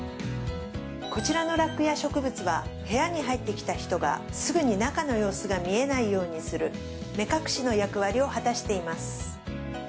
こちらのラックや植物は部屋に入ってきた人がすぐに中の様子が見えないようにする目隠しの役割を果たしています。